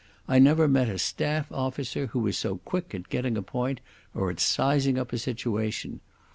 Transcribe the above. I never met a staff officer who was so quick at getting a point or at sizing up a situation.